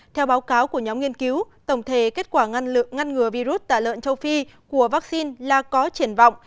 theo báo cáo của nhóm nghiên cứu tổng thể kết quả ngăn ngừa virus tả lợn châu phi của vaccine là có triển vọng